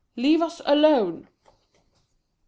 Leave us alone !